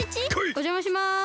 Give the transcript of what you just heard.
おじゃまします。